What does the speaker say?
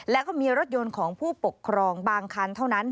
แล้วก็มีรถยนต์ของผู้ปกครองบางคันเท่านั้น